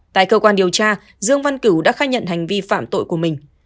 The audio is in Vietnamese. tại cơ quan điều tra dương văn cửu đã khai nhận hành vi phạm tội của mình